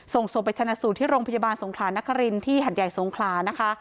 ส่งศพไปชนะสูตรที่โรงพยาบาลสงขลานครินที่หัดใหญ่สงขลานะคะ